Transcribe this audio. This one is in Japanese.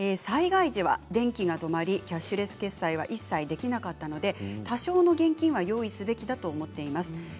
災害時は電気が止まりキャッシュレス決済は一切できなかったので多少の現金は用意すべきだと思っています。